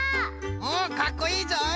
おっかっこいいぞい！